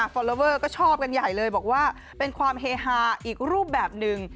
อลลอเวอร์ก็ชอบกันใหญ่เลยบอกว่าเป็นความเฮฮาอีกรูปแบบหนึ่ง